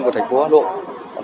của thành phố hà nội